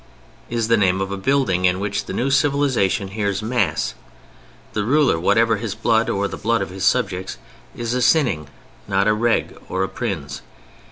] is the name of the building in which the new civilization hears Mass. The ruler, whatever his blood or the blood of his subjects, is a Cynning, not a Reg or a Prins.